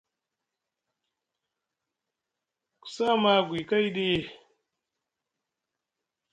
Ku saa maa agwi kai ɗi ?